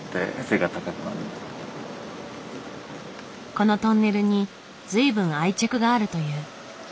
このトンネルに随分愛着があるという。